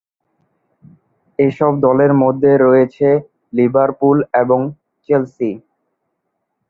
এসব দলের মধ্যে রয়েছে লিভারপুল এবং চেলসি।